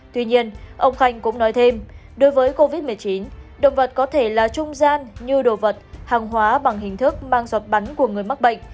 tuy nhiên ông khanh cũng nói thêm đối với covid một mươi chín động vật có thể là trung gian như đồ vật hàng hóa bằng hình thức mang giọt bắn của người mắc bệnh